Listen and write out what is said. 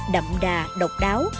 đậm đà độc đáo